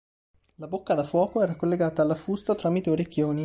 La bocca da fuoco era collegata all'affusto tramite orecchioni.